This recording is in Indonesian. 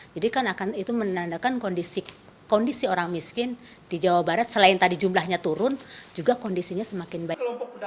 jadi kan akan itu menandakan kondisi orang miskin di jawa barat selain tadi jumlahnya turun juga kondisinya semakin banyak